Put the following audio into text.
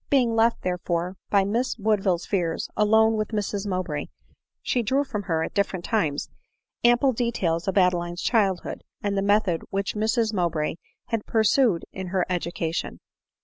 Being left therefore, by Miss Woodville's fears, alone with Mrs Mowbray, she drew from her, at different times, ample details of Adeline's childhood, and the method which Mrs Mowbray had pursued jn her education.